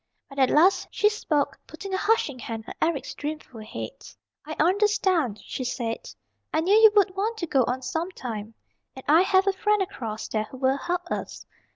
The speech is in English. But at last she spoke, putting a hushing hand on Eric's dreamful head. "I understand," she said. "I knew you would want to go on sometime. And I have a friend across there who will help us.